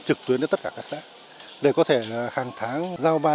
trực tuyến đến tất cả các xã để có thể là hàng tháng giao ban